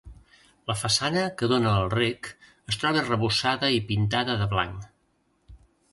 La façana que dóna al rec es troba arrebossada i pintada de blanc.